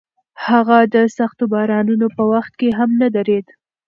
هغه د سختو بارانونو په وخت کې هم نه درېده.